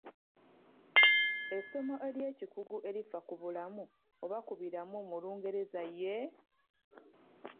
Essomo ery’ekikugu erifa ku bulamu oba ku biramu mu Lungereza ye?